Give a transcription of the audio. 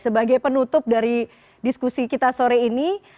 sebagai penutup dari diskusi kita sore ini